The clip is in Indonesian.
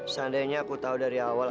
seandainya aku tahu dari awal